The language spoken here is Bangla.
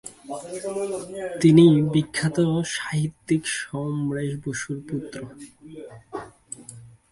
তিনি বিখ্যাত সাহিত্যিক সমরেশ বসুর পুত্র।